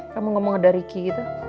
kamu ngomong ada riki itu